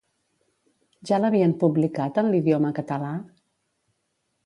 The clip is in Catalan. Ja l'havien publicat en l'idioma català?